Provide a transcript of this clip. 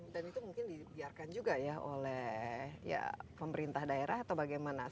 dan itu mungkin dibiarkan juga ya oleh pemerintah daerah atau bagaimana